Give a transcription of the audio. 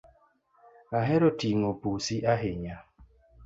Ahero ting’o pusi ahinya